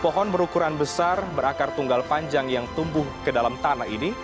pohon berukuran besar berakar tunggal panjang yang tumbuh ke dalam tanah ini